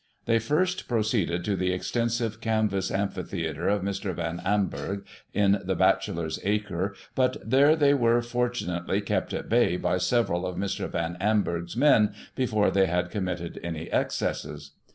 They first pro ceeded to the extensive canvas amphitheatre of Mr. Van Amburgh, in the Bachelor's Acre, but, there, they were, for tunately, kept at bay by several of Mr. Van Amburgh's men, before they had committed any excesses.